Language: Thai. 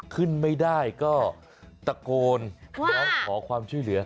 ขึ้นไม่ได้ก็ตะโกนร้องขอความช่วยเหลือ